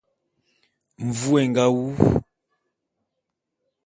Mvu é nga wu.